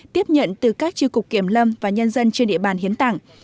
tiếp nhận từ các tri cục kiểm lâm và nhân dân trên địa bàn hiến tặng